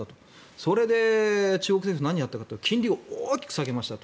それで中国政府何やったかというと金利を大きく下げましたと。